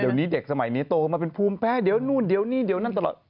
เดี๋ยวนี้เด็กสมัยนี้โตมาเป็นภูมิแพ้เดี๋ยวนู่นเดี๋ยวนี่เดี๋ยวนั่นตลอด